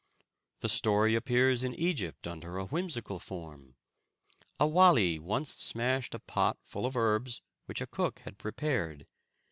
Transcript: The story appears in Egypt under a whimsical form. A Wali once smashed a pot full of herbs which a cook had prepared.